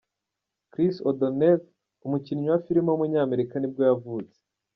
Chris O'Donnell, umukinnyi wa filime w’umunyamerika nibwo yavutse.